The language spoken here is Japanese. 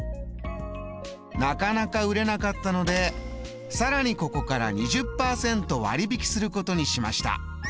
なかなか売れなかったのでさらにここから２０％割引することにしました。